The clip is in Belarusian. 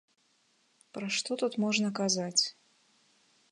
Пра што тут можна казаць?